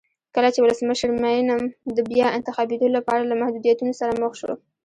کله چې ولسمشر مینم د بیا انتخابېدو لپاره له محدودیتونو سره مخ شو.